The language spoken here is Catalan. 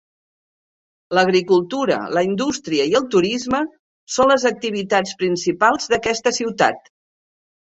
L'agricultura, la indústria i el turisme són les activitats principals d'aquesta ciutat.